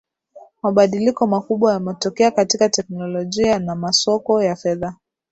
mabadiliko makubwa yametokea katika teknolojia na masoko ya fedha